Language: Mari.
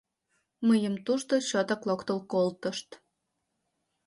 Мыйым тушто чотак локтыл колтышт.